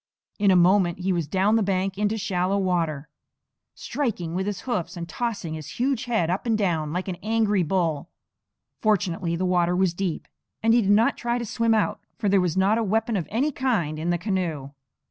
In a moment he was down the bank into shallow water, striking with his hoofs and tossing his huge head up and down like an angry bull. Fortunately the water was deep, and he did not try to swim out; for there was not a weapon of any kind in the canoe.